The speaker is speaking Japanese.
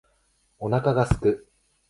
お腹が空く